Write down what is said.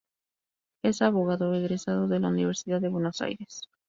Es abogado egresado de la Universidad de Buenos Aires.